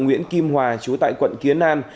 nguyễn kim hòa chú tại quận kiến an